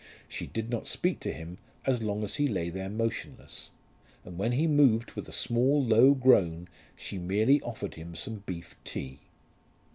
She did not speak to him as long as he lay there motionless, and when he moved with a small low groan she merely offered him some beef tea.